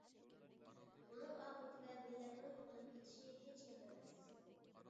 بۇنىڭ ئاقىۋىتىدە مىللەتنىڭ يوقىلىپ كېتىشى ھېچ گەپ ئەمەس.